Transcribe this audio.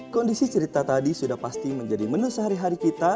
kondisi cerita tadi sudah pasti menjadi menu sehari hari kita